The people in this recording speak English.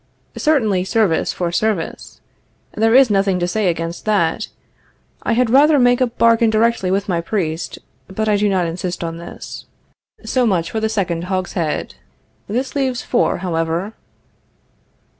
Certainly, service for service. There is nothing to say against that. I had rather make a bargain directly with my priest, but I do not insist on this. So much for the second hogshead. This leaves four, however.